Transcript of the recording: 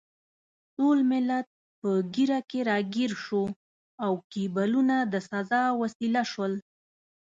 ټول ملت په ږیره کې راګیر شو او کیبلونه د سزا وسیله شول.